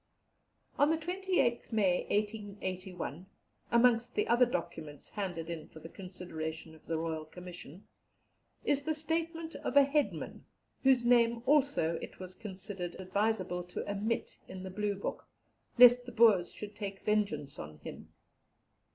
On the 28th May, 1881, amongst the other documents handed in for the consideration of the Royal Commission, is the statement of a Headman, whose name also it was considered advisable to omit in the Blue book, lest the Boers should take vengeance on him.